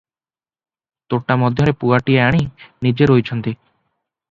ତୋଟା ମଧ୍ୟରେ ପୁଆଟିଏ ଆଣି ନିଜେ ରୋଇଛନ୍ତି ।